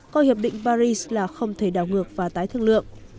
coi hiệp định paris là không thể đảo ngược và tái thương lượng